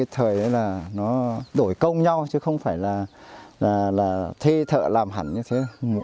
thời đó đổi công nhau chứ không phải là thuê thợ làm hẳn như thế